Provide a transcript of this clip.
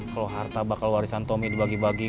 kalau harta bakal warisan tommy dibagi bagi